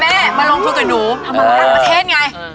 แม่มาลองโทรต่อหนู